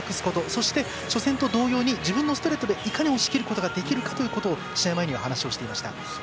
そして、初戦と同様に自分のストレートでいかに押し切れるかということを試合前に話していました。